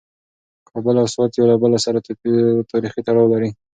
کابل او سوات یو له بل سره تاریخي تړاو لري.